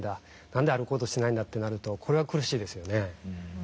何で歩こうとしないんだ？」となるとこれは苦しいですよね。